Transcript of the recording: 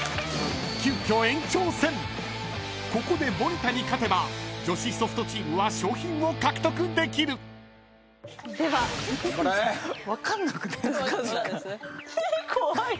［ここで森田に勝てば女子ソフトチームは賞品を獲得できる］では。